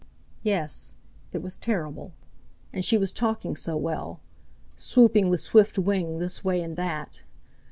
Yes, it was terrible! And she was talking so well—swooping with swift wing this way and that.